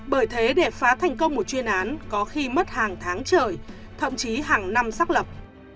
bởi thế để phá thành công một chuyên án có khi mất hàng tháng trời thậm chí hàng năm xác lập